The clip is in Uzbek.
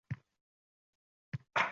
Yo‘q, hazil emas ekan!